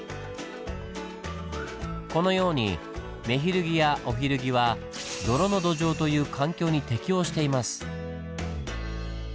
このようにメヒルギやオヒルギは泥の土壌という環境に適応しています。